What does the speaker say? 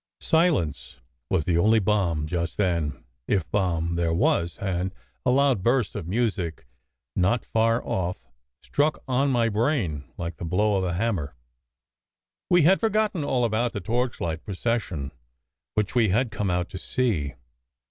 Silence was the only balm just then, if balm there was, and a loud burst of music not far off struck on my brain like the blow of a hammer. We had forgotten all about the torchlight procession which we had come out to see.